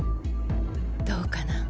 どうかな？